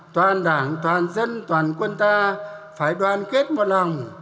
toàn đảng toàn dân toàn quân ta phải đoàn kết một lòng